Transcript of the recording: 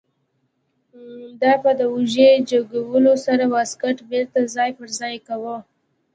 ده به د اوږې په جګولو سره واسکټ بیرته ځای پر ځای کاوه.